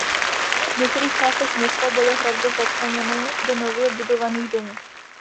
V některých částech města byly hradby začleněny do nově budovaných domů.